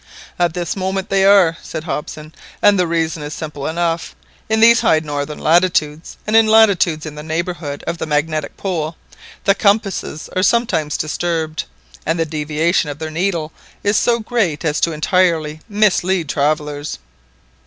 "At this moment they are," said Hobson, "and the reason is simple enough; in these high northern latitudes, and in latitudes in the neighbourhood of the magnetic pole, the compasses are sometimes disturbed, and the deviation of their needles is so great as entirely to mislead travellers."